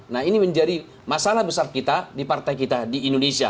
nah ini menjadi masalah besar kita di partai kita di indonesia